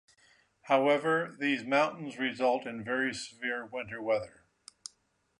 However, these mountains result in very severe winter weather.